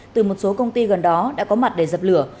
từ một số công ty gần đó đã có mặt để dập lửa